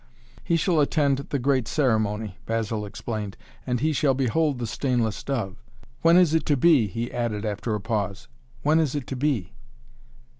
"He shall attend the great ceremony," Basil explained. "And he shall behold the stainless dove. When is it to be?" he added after a pause. "When is it to be?"